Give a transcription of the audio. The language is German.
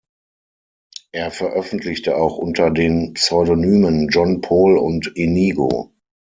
Er veröffentlichte auch unter den Pseudonymen John Paul und Inigo.